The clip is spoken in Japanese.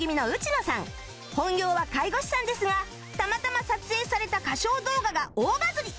本業は介護士さんですがたまたま撮影された歌唱動画が大バズり